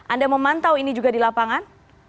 anda memantau ini juga di lapangan